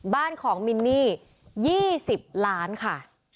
บ้านของมินนี่๒๐ล้านค่ะ